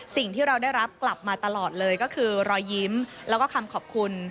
สิ่งที่เราได้รับกลับมาตลอดเลยก็คือรอยยิ้มแล้วก็คำขอบคุณ